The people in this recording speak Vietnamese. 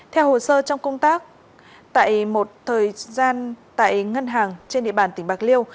theo hồ sơ trong công tác tại một thời gian tại ngân hàng trên địa bàn tỉnh bạc liêu